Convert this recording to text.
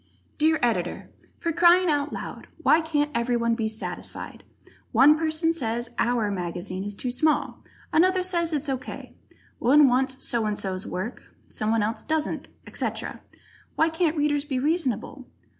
_ Dear Editor: For crying out loud, why can't everyone be satisfied! One person says "our" mag is too small, another says it's O. K.; one wants so and so's work, someone else doesn't, etc. Why can't Readers be reasonable?